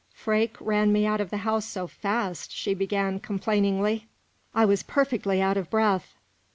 "Freke ran me out of the house so fast," she began complainingly, "I was perfectly out of breath."